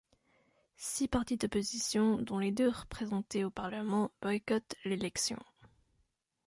Six partis d'opposition, dont les deux représentés au Parlement, boycottent l'élection.